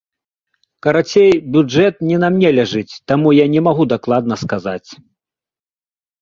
Карацей, бюджэт не на мне ляжыць, таму я не магу дакладна сказаць.